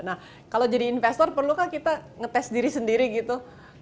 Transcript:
nah kalau jadi investor perlukah kita ngetes diri sendiri gitu